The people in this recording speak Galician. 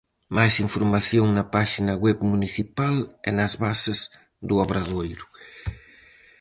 Máis información na páxina web municipal e nas bases do obradoiro.